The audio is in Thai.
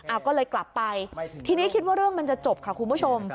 ก็เลยกลับไปทีนี้คิดว่าเรื่องมันจะจบค่ะคุณผู้ชม